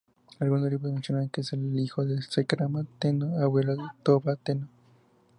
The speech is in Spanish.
Algunos libros mencionan que es el hijo de Shirakawa Tennō, abuelo de Toba Tennō.